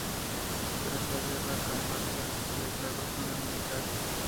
Tras la guerra, Kamchatka se declaró zona militar.